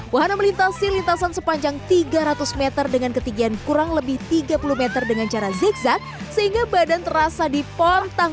wahana melintasi lintasan sepanjang tiga ratus m dengan ketinggian kurang lebih tiga puluh m dengan cara zigzag sehingga badan terasa dipontang